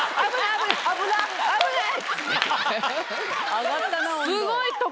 上がったな温度。